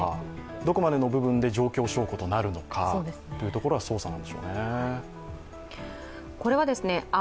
どこまでの部分で状況証拠となるのかという部分は捜査なんでしょうね。